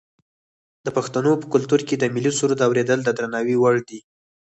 د پښتنو په کلتور کې د ملي سرود اوریدل د درناوي وړ دي.